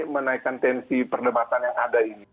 menaikkan tensi perdebatan yang ada ini